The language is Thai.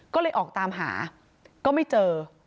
ก็เลยออกตามหาก็ไม่เจอ